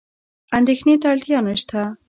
اندېښنې ته اړتیا نشته.